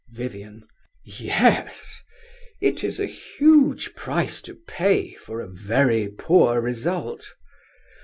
VIVIAN. Yes. It is a huge price to pay for a very poor result.